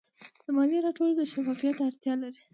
د مالیې راټولول د شفافیت اړتیا لري.